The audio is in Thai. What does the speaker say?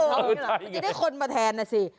มันจะได้คนมาแทนนะสิ